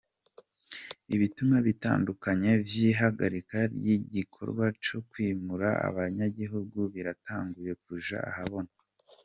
Ibituma bitandukanye vy'ihagarika ry'igikorwa co kwimura abanyagihugu biratanguye kuja ahabona.